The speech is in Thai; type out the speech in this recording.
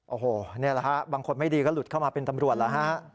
โอ้โหนี่แหละฮะบางคนไม่ดีก็หลุดเข้ามาเป็นตำรวจแล้วฮะ